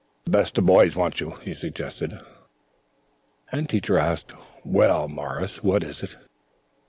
"The best of boys wants you," he suggested, and Teacher perforce asked: "Well, Morris, what is it?"